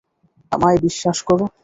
আমায় বিশ্বাস কর।